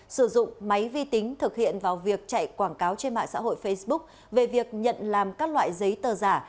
sử dụng máy vi tính thực hiện vào việc chạy quảng cáo trên mạng xã hội facebook về việc nhận làm các loại giấy tờ giả